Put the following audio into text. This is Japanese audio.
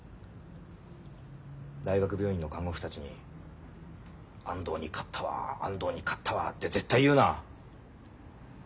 大学病院の看護婦たちに「安藤に勝ったわ安藤に勝ったわ」って絶対言うな。